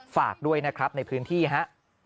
ฝากด้วยนะครับในพื้นที่ฮะ